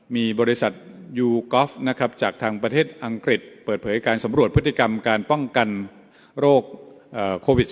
มีบริษัทยูกอล์ฟนะครับจากทางประเทศอังกฤษเปิดเผยการสำรวจพฤติกรรมการป้องกันโรคโควิด๑๙